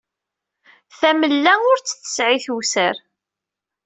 Tamella ur tt-tesɛi tewser.